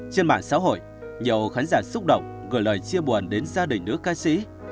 trên mạng xã hội nhiều khán giả xúc động gửi lời chia buồn đến gia đình nữ ca sĩ